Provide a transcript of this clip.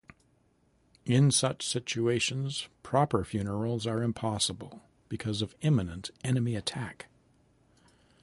In such situations, proper funerals are impossible because of imminent enemy attack.